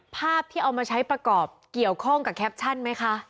ภาพที่เอามาใช้ประกอบเกี่ยวข้องกับแคปชั่นไหมคะ